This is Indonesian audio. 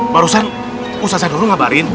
barusan usaha saya dulu ngabarin